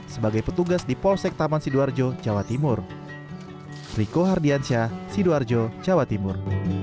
sebagai petugas di polsek taman sidoarjo jawa timur